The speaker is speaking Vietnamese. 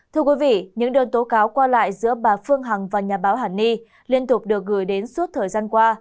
thưa quý vị những đơn tố cáo qua lại giữa bà phương hằng và nhà báo hàn ni liên tục được gửi đến suốt thời gian qua